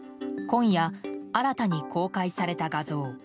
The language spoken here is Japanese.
今夜、新たに公開された画像。